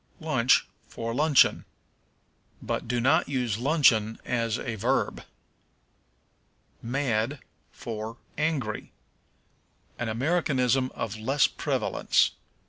Lunch for Luncheon. But do not use luncheon as a verb. Mad for Angry. An Americanism of lessening prevalence.